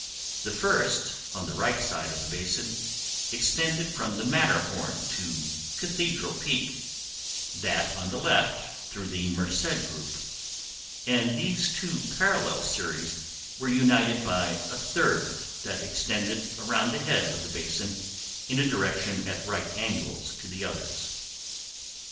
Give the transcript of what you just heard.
The first, on the right side of the basin, extended from the Matterhorn to Cathedral Peak; that on the left through the Merced group, and these two parallel series were united by a third that extended around the head of the basin in a direction at right angles to the others.